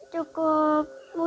cukup mudah om